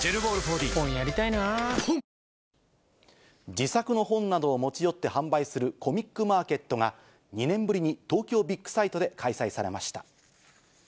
自作の本などを持ち寄って販売するコミックマーケットが、２年ぶりに東京ビッグサイトで開催されました。